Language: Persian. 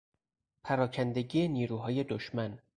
پراکندگی نیروهای دشمن